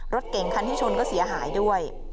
รถเก่งคันที่ชนก็เสียหายด้วย